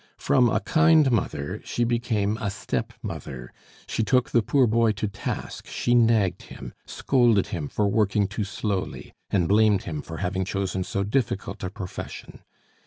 From a kind mother she became a stepmother; she took the poor boy to task, she nagged him, scolded him for working too slowly, and blamed him for having chosen so difficult a profession.